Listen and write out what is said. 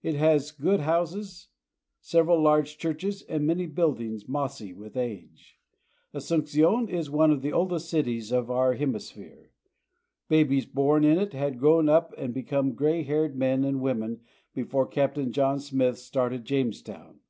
It has good houses, several large churches, and many buildings mossy with age. Asuncion is one of the oldest cities of our hemisphere. Babies born in it had grown up and become gray haired men and women before Captain John Smith started James Street in Asuncion. town.